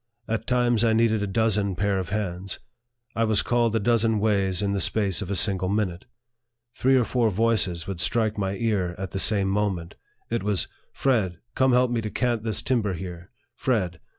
At times I needed a dozen pair of hands. I was called a dozen ways in the space of a single minute. Three or four voices would strike my ear at the same moment. It was " Fred., come help me to cant this timber here." "Fred.